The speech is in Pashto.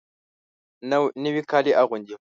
نوي کالي اغوندې